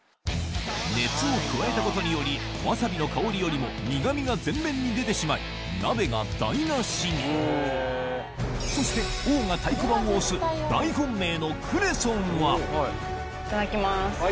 熱を加えたことによりわさびの香りよりも苦みが前面に出てしまい鍋が台無しにそして王が太鼓判を押すいただきます。